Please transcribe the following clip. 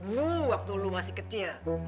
lo waktu lo masih kecil